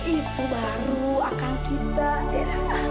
itu baru akan kita dengar